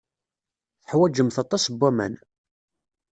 Teḥwajemt aṭas n waman.